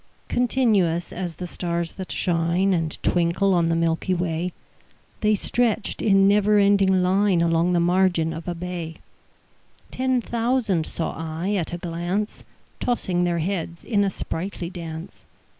Continuous as the stars that shine And twinkle on the milky way, The stretched in never ending line Along the margin of a bay: Ten thousand saw I at a glance, Tossing their heads in sprightly dance.